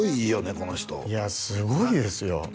この人いやすごいですよ